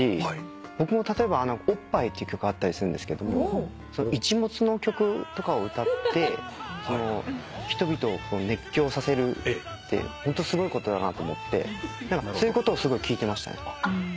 僕も例えば『おっぱい』っていう曲あったりするんですけど『イチモツ』の曲とかを歌って人々を熱狂させるってホントすごいことだなと思ってそういうことをすごい聞いてましたね。